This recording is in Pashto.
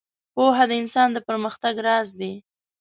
• پوهه د انسان د پرمختګ راز دی.